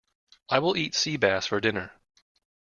I will eat sea bass for dinner.